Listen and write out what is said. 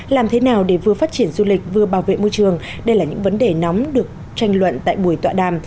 làm thế nào để vừa phát triển du lịch vừa bảo vệ môi trường đây là những vấn đề nóng được tranh luận tại buổi tọa đàm